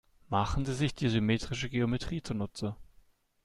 Machen Sie sich die symmetrische Geometrie zunutze.